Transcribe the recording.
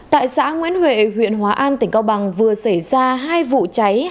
tại xã nguyễn huệ huyện hòa an tỉnh cao bằng vừa xảy ra hai vụ cháy